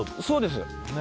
そうです。